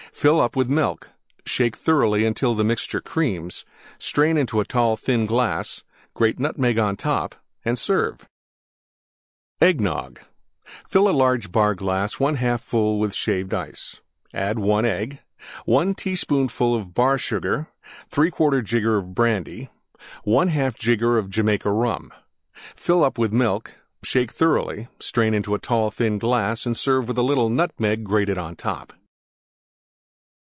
Fill up with Milk; shake thoroughly until the mixture creams; strain into tall thin glass; grate Nutmeg on top and serve. EGGNOG Fill large Bar glass 1/2 full Shaved Ice. 1 Egg 1 teaspoonful Bar Sugar. 3/4 jigger Brandy. 1/2 jigger Jamaica Rum. Fill up with Milk; shake thoroughly; strain into tall, thin glass and serve with little Nutmeg grated on top.